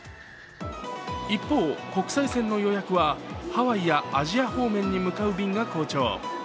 一方、国際線の予約は、ハワイやアジア方面に向かう便が好調。